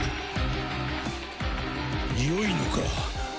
良いのか？